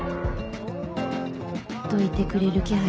ドロー！どいてくれる気配